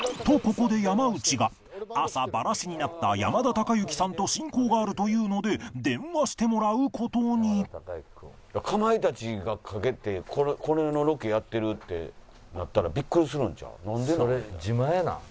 ［とここで山内が朝バラシになった山田孝之さんと親交があるというので電話してもらうことに］かまいたちがかけてこれのロケやってるってなったらびっくりするんちゃう？